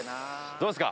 どうっすか？